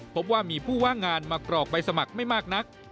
พบว่ามีผู้ว่างงานมากรอกใบสมัครไม่มากนัก